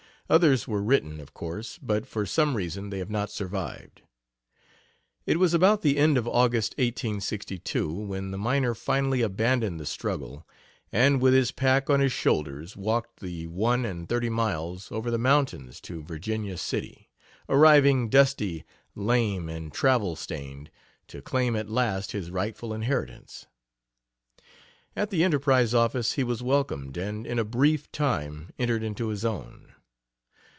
Others were written, of course, but for some reason they have not survived. It was about the end of August (1862) when the miner finally abandoned the struggle, and with his pack on his shoulders walked the one and thirty miles over the mountains to Virginia City, arriving dusty, lame, and travel stained to claim at last his rightful inheritance. At the Enterprise office he was welcomed, and in a brief time entered into his own.